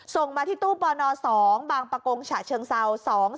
ส่งมาที่ตู้ปน๒บางประกงฉะเชิงเศร้า